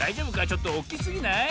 ちょっとおっきすぎない？